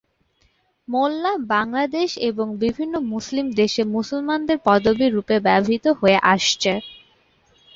মোল্লা বাংলাদেশ এবং বিভিন্ন মুসলিম দেশে মুসলমানদের পদবী রুপে ব্যবহৃত হয়ে আসছে।